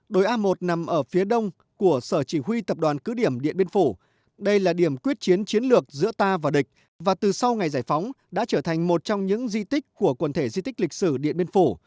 đồi a một nằm ở phía đông của sở chỉ huy tập đoàn cứ điểm điện biên phủ đây là điểm quyết chiến chiến lược giữa ta và địch và từ sau ngày giải phóng đã trở thành một trong những di tích của quần thể di tích lịch sử điện biên phủ